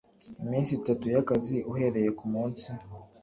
iminsi itatu y akazi uhereye ku munsi